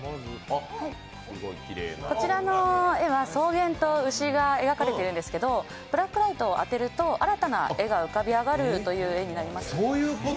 こちらの絵は草原と牛が描かれているんですけど、ブラックライトを当てると新たな絵が浮かび上がるというものになります。